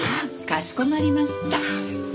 かしこまりました。